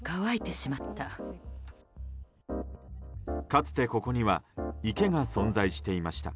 かつて、ここには池が存在していました。